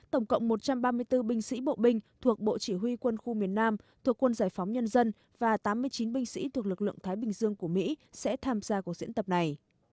tổng cộng một trăm ba mươi bốn binh sĩ bộ binh thuộc bộ chỉ huy quân khu miền nam thuộc quân giải phóng nhân dân và tám mươi chín binh sĩ thuộc lực lượng thái bình dương của mỹ sẽ tham gia cuộc diễn tập này